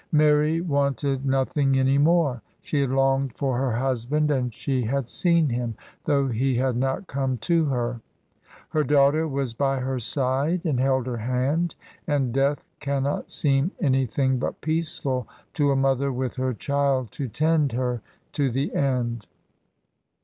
Mary wanted nothing any more. She had longed for her husband, and she had seen him, though he had not come to her; her daughter was by her side and held her hand, and death cannot seem any thing but peaceful to a mother with her child to tend her to the end.